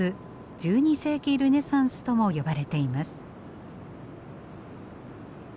１２世紀ルネサンスとも呼ばれています。